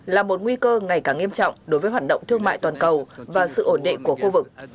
là một nguy cơ ngày càng nghiêm trọng đối với hoạt động thương mại toàn cầu và sự ổn định của khu vực